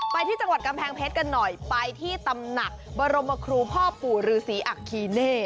ไปที่จังหวัดกำแพงเพชรกันหน่อยไปที่ตำหนักบรมครูพ่อปู่ฤษีอัคคีเน่